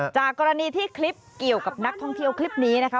จากกรณีที่คลิปเกี่ยวกับนักท่องเที่ยวคลิปนี้นะคะ